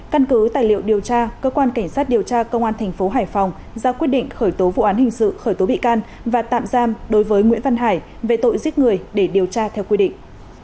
căn cứ tài liệu điều tra cơ quan cảnh sát điều tra công an thành phố hải phòng ra quyết định khởi tố vụ án hình sự khởi tố bị can và tạm giam đối với nguyễn văn hải về tội giết người để điều tra theo quy định